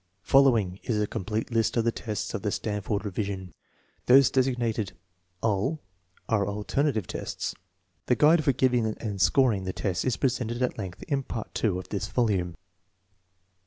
Following is a complete list of the tests of the Stanford revision. Those designated al. are alternative tests. The guide for giving and scoring the tests is presented at length in Part II of this volume.